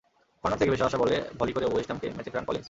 Corner থেকে ভেসে আসা বলে ভলি করে ওয়েস্ট হামকে ম্যাচে ফেরান কলিন্স।